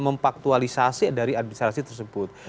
memfaktualisasi dari administrasi tersebut